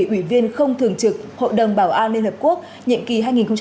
ủy viên không thường trực hội đồng bảo an liên hợp quốc nhiệm kỳ hai nghìn hai mươi hai nghìn hai mươi một